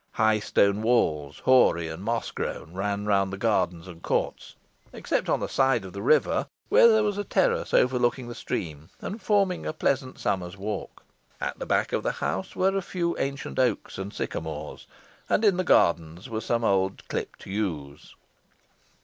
High stone walls, hoary and moss grown, ran round the gardens and courts, except on the side of the river, where there was a terrace overlooking the stream, and forming a pleasant summer's walk. At the back of the house were a few ancient oaks and sycamores, and in the gardens were some old clipped yews.